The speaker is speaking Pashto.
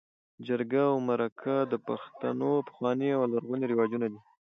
جرګه او مرکه د پښتنو پخواني او لرغوني رواجونه دي.